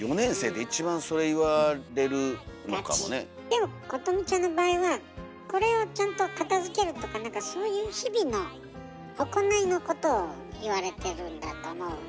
でもことみちゃんの場合はこれをちゃんと片づけるとか何かそういう日々の行いのことを言われてるんだと思うのよね。